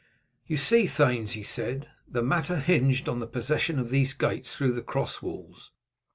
"You see, thanes," he said, "the matter hinged on the possession of these gates through the cross walls.